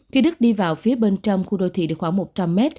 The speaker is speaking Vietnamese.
khi đức đi vào phía bên trong khu đô thị được khoảng một trăm linh m